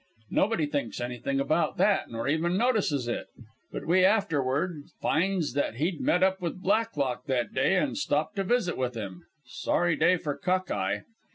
Nobody thinks anything about that, nor even notices it. But we afterward finds out that he'd met up with Blacklock that day, an' stopped to visit with him sorry day for Cockeye.